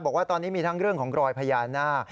บอกว่าตอนนี้มีทั้งเรื่องของรอยพญานาค